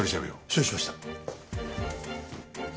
承知しました。